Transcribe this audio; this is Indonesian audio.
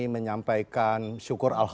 menyampaikan syukur alhamdulillah